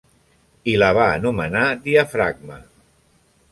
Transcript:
I la va anomenar diafragma.